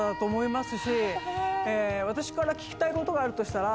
私から聞きたいことがあるとしたら。